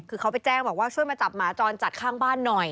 คือเขาไปแจ้งบอกว่าช่วยมาจับหมาจรจัดข้างบ้านหน่อย